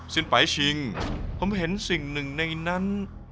ไปชิงผมเห็นสิ่งหนึ่งในนั้น